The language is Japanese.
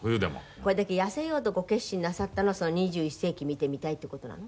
これだけ痩せようとこう決心なさったのはその２１世紀見てみたいって事なの？